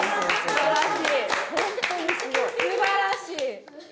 素晴らしい！